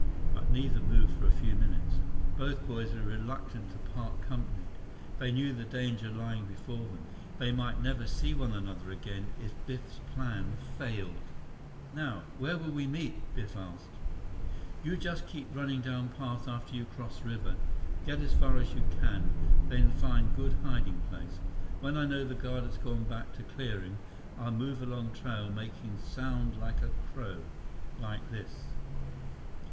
But neither moved for a few minutes. Both boys were reluctant to part company. They knew the danger lying before them. They might never see one another again, if Biff's plan failed. "Now, where will we meet?" Biff asked. "You just keep running down path after you cross river. Get as far as you can. Then find good hiding place. When I know guard has gone back to clearing, I'll move along trail making sound like a crow. Like this."